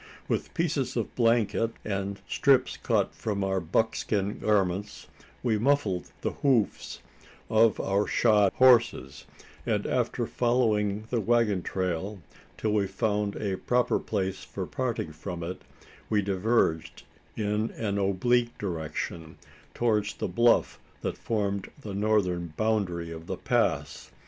With pieces of blanket, and strips cut from our buckskin garments, we muffled the hoofs of our shod horses; and after following the waggon trail, till we found a proper place for parting from it, we diverged in an oblique direction, towards the bluff that formed the northern boundary of the pass.